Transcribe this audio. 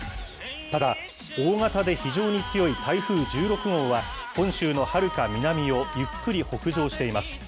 ただ、大型で非常に強い台風１６号は、本州のはるか南をゆっくり北上しています。